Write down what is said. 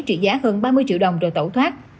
trị giá hơn ba mươi triệu đồng rồi tẩu thoát